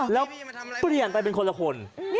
แล้วเปลี่ยนไปเป็นคนละคน